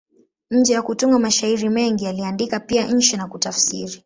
Nje ya kutunga mashairi mengi, aliandika pia insha na kutafsiri.